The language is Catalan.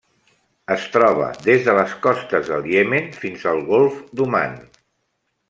Es troba des de les costes del Iemen fins al Golf d'Oman.